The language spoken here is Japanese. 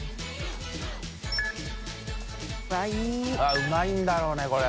うまいんだろうねこれ。